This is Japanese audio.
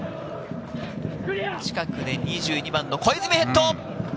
近くで２２番・小泉、ヘッド！